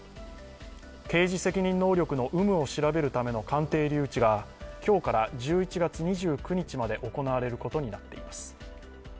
刑事責任能力の有無を調べるための鑑定留置が今日から１１月２９日まで行われることになっています。